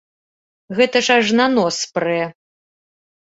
Гэта ж аж на нос прэ!